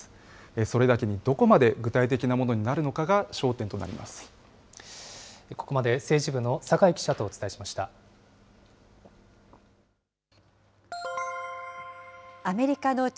それだけに、どこまで具体的なものになるのかが焦点となります。